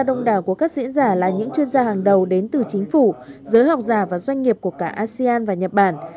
đông đảo của các diễn giả là những chuyên gia hàng đầu đến từ chính phủ giới học giả và doanh nghiệp của cả asean và nhật bản